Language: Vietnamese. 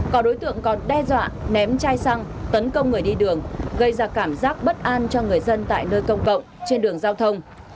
có đối tượng còn đe dọa ném chai xăng tấn công người đi đường gây ra cảm giác bất an cho người dân tại nơi công cộng trên đường giao thông